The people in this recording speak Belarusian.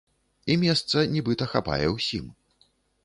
І месца, нібыта, хапае ўсім.